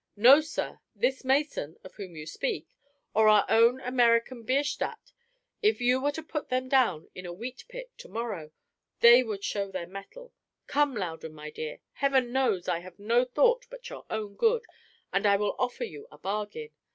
No, sir; this Mason (of whom you speak) or our own American Bierstadt if you were to put them down in a wheat pit to morrow, they would show their mettle. Come, Loudon, my dear; heaven knows I have no thought but your own good, and I will offer you a bargain.